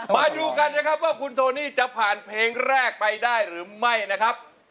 มาดูกันนะครับว่าคุณโทนี่จะผ่านเพลงแรกไปได้หรือไม่นะครับ